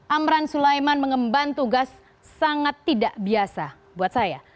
amran sulaiman mengemban tugas sangat tidak biasa buat saya